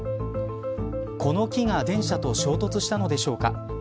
この木が電車と衝突したのでしょうか。